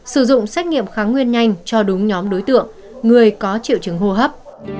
sử dụng xét nghiệm kháng nguyên nhanh cho đúng nhóm đối tượng người có triệu chứng hô hấp